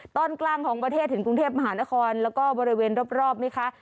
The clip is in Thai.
ตอนกลางของประเทศถึงกรุงเทพมหานครแล้วก็บริเวณรอบไหมคะ